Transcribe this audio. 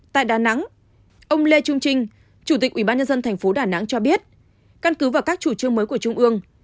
tại đà nẵng ông lê trung trinh chủ tịch ubnd tp đà nẵng cho biết căn cứ vào các chủ trương mới của trung ương